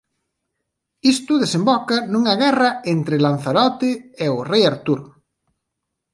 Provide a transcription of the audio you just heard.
Isto desemboca nunha guerra entre Lanzarote e o Rei Artur.